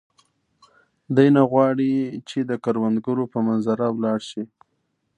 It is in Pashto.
دی نه غواړي چې د کروندګرو په منظره ولاړ شي.